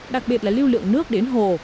đặc biệt là lưu lượng nước đến hồ